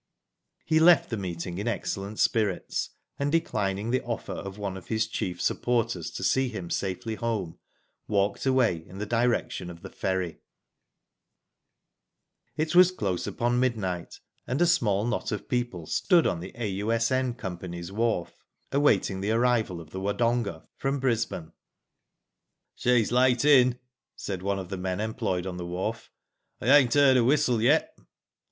He kft the meeting in excellent spirits, and, declining the offer of one of his chief supporters to see him safely home, walked away in the direction of the ferry. Digitized byGoogk 14 IVMO DID iTf It was close upon midnight, and a small knot of people stood on the A. U.S.N. Go's, wharf awaiting the arrival of the Wodonga from Bris bane. "She's late in," said one of the men employed on the wharf, I ainH heard her whistle yet."